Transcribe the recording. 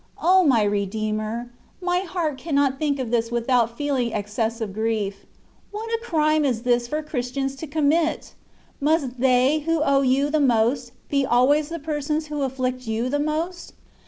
O my Redeemer ! my heart cannot think of this without feeling excessive grief. What a crime is this for Christians to commit ! Must they who owe you the most, be always the persons who aflSict you the most?